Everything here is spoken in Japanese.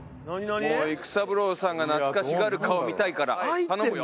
育三郎さんが懐かしがる顔見たいから頼むよ。